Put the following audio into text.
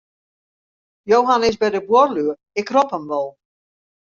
Johan is by de buorlju, ik rop him wol.